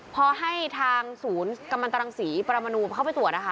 พอให้ทางศูนย์กำลังตรังศรีปรมนูเข้าไปตรวจนะคะ